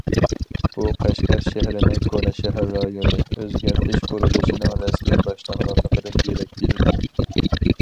بۇ قەشقەر شەھىرىنىڭ كونا شەھەر رايونى ئۆزگەرتىش قۇرۇلۇشىنىڭ رەسمىي باشلانغانلىقىدىن دېرەك بېرىدۇ.